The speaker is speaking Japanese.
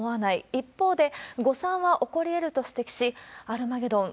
一方で、誤算は起こりえると指摘し、アルマゲドン、